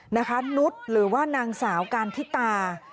นุษย์หรือว่านางสาวการทิตา